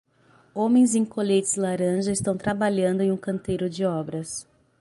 Homens em coletes laranja estão trabalhando em um canteiro de obras.